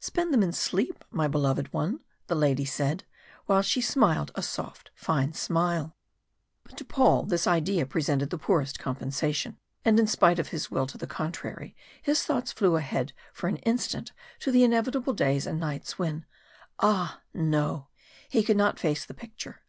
"Spend them in sleep, my beloved one," the lady said, while she smiled a soft fine smile. But to Paul this idea presented the poorest compensation and in spite of his will to the contrary his thoughts flew ahead for an instant to the inevitable days and nights when Ah! no, he could not face the picture.